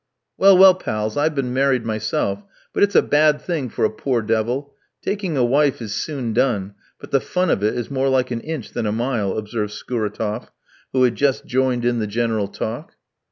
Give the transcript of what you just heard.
"Well, well, pals, I've been married myself, but it's a bad thing for a poor devil; taking a wife is soon done, but the fun of it is more like an inch than a mile," observes Skouratoff, who had just joined in the general talk.